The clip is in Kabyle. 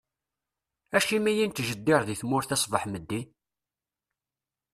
Acimi i nettjeddir di tmurt-a ṣbeḥ meddi?